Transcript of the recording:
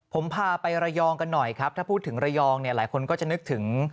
ผมพาไประยองกันหน่อยครับถ้าพูดถึงระยองเนี่ยหลายคนก็จะนึกถึง